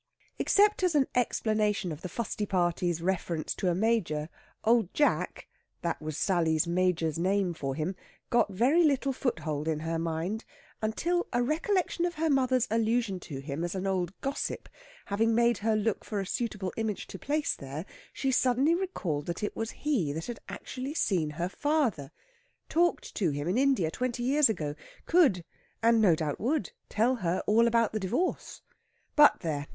Except as an explanation of the fusty party's reference to a Major, Old Jack that was Sally's Major's name for him got very little foothold in her mind, until a recollection of her mother's allusion to him as an old gossip having made her look for a suitable image to place there, she suddenly recalled that it was he that had actually seen her father; talked to him in India twenty years ago; could, and no doubt would, tell her all about the divorce. But there!